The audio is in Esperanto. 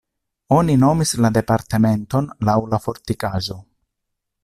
Oni nomis la departementon laŭ la fortikaĵo.